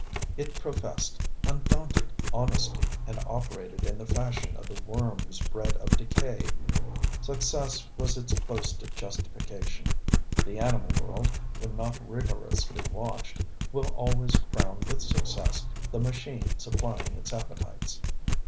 It professed undaunted honesty, and operated in the fashion of the worms bred of decay. Success was its boasted justification. The animal world, when not rigorously watched, will always crown with success the machine supplying its appetites.